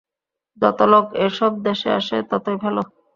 যত লোক এ-সব দেশে আসে, ততই ভাল।